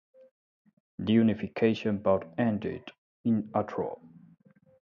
The unification bout ended in a draw.